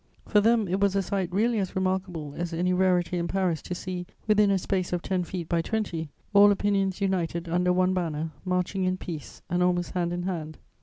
For them it was a sight really as remarkable as any rarity in Paris to see, within a space of ten feet by twenty, all opinions united under one banner, marching in peace and almost hand in hand.